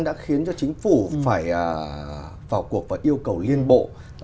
đã khiến cho chính phủ phải vào cuộc và yêu cầu liên bộ